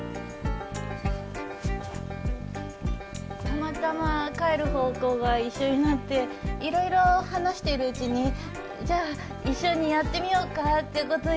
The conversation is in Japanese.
たまたま帰る方向が一緒になっていろいろ話してるうちにじゃあ一緒にやってみようかって事になって。